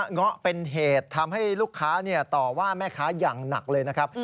เงาะเป็นเหตุทำให้ลูกค้าต่อว่าแม่ค้าอย่างหนักเลยนะครับ